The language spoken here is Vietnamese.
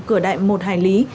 cửa đại một hải lý